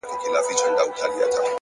صبر د اوږدو لارو تر ټولو ښه ملګری دی’